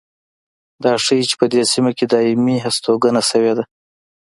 دا ښيي چې په دې سیمه کې دایمي هستوګنه شوې ده.